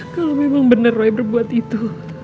kalau memang benar roy berbuat itu